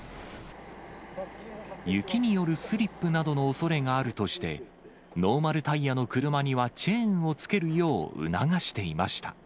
雪によるスリップなどのおそれがあるとして、ノーマルタイヤの車には、チェーンをつけるよう促していました。